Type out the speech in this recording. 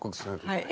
はい。